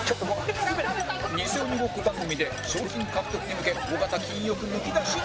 ニセ鬼ごっこ番組で賞金獲得に向け尾形金欲むき出し！